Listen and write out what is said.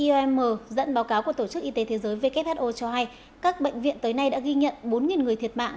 iom dẫn báo cáo của tổ chức y tế thế giới who cho hay các bệnh viện tới nay đã ghi nhận bốn người thiệt mạng